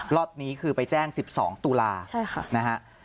รอบนี้คือไปแจ้งสิบสองตุลาใช่ค่ะ